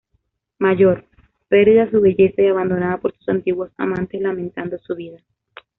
Mayor, perdida su belleza y abandonada por sus antiguos amantes, lamentando su vida.